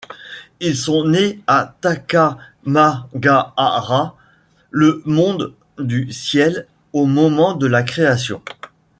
Ils sont nés à Takama-ga-hara, le monde du ciel au moment de la création.